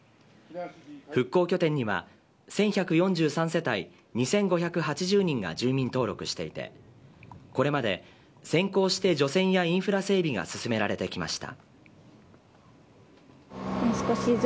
復興欠点には１１４３世帯２５８０人が住民登録していてこれまで先行して除染やインフラ整備が進められてきました。